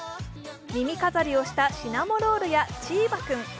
耳飾りをしたシナモロールやチーバくん。